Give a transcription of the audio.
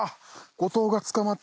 後藤が捕まった。